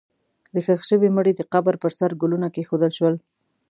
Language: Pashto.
د ښخ شوي مړي د قبر پر سر ګلونه کېښودل شول.